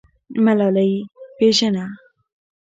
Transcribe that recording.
ملالۍ پیژنه.